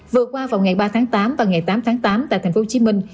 vừa qua vào ngày ba tháng tám và ngày tám tháng tám tại thành phố hồ chí minh